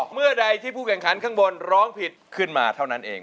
เมื่อใดที่ผู้แข่งขันข้างบนร้องผิดขึ้นมาเท่านั้นเอง